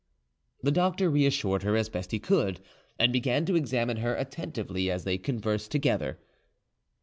The doctor reassured her as best he could, and began to examine her attentively as they conversed together.